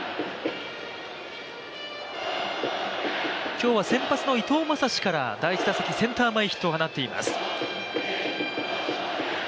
今日は先発の伊藤将司から第１打席センター前ヒットを放っています。